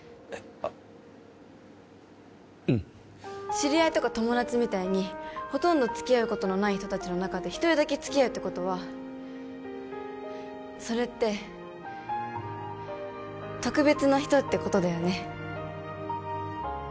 あっうん知り合いとか友達みたいにほとんど付き合うことのない人達の中で１人だけ付き合うってことはそれって特別な人ってことだよね